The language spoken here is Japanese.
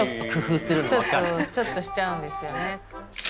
ちょっとしちゃうんですよね。